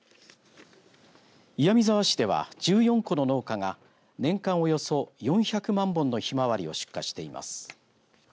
岩見沢市では、１４戸の農家が年間およそ４００万本のひまわりを出荷しています。